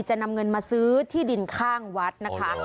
จะนำเงินมาซื้อที่ดินข้างวัดนะคะ